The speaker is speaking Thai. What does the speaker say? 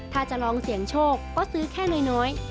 ถ้าจะลองเสี่ยงโชคก็ซื้อแค่น้อย